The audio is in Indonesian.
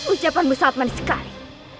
ucapanmu sangat manis sekali